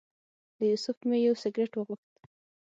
له یوسف مې یو سګرټ وغوښت.